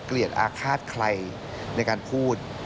เกลียดอาฆาตใครในการพูด